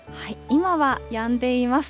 今はやんでいます。